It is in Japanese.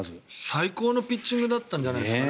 最高のピッチングだったんじゃないですか。